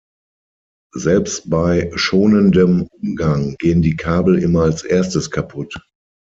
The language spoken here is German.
Selbst bei schonendem Umgang gehen die Kabel immer als Erstes kaputt.